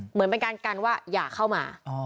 เหมือนเป็นการกันว่าอย่าเข้ามา